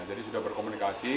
jadi sudah berkomunikasi